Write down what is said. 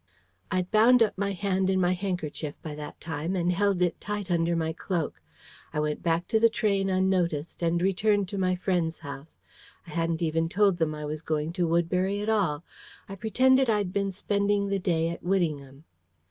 "I'd bound up my hand in my handkerchief by that time, and held it tight under my cloak. I went back by train unnoticed, and returned to my friends' house. I hadn't even told them I was going to Woodbury at all. I pretended I'd been spending the day at Whittingham.